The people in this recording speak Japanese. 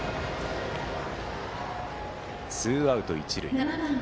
ツーアウト一塁。